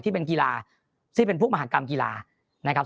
ที่เป็นกีฬาที่เป็นพวกมหากรรมกีฬานะครับ